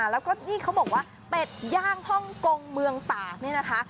แล้วก็นี่เขาบอกว่าเป็ดย่างฮ่องกงเมืองตากนี่นะคะ